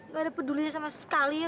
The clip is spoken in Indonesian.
nggak ada pedulinya sama sekali ya